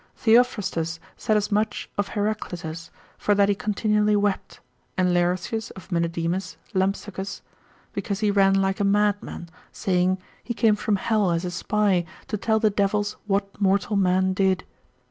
Theophrastus saith as much of Heraclitus, for that he continually wept, and Laertius of Menedemus Lampsacus, because he ran like a madman, saying, he came from hell as a spy, to tell the devils what mortal men did.